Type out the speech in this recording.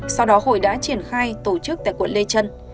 sau đó hội đã triển khai tổ chức tại quận lê trân